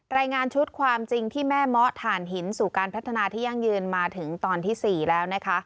รายงานชุดความจริงที่แม่เมาะถ่านหินสู่การพัฒนาที่ยั่งยืนมาถึงตอนที่๔แล้วนะคะ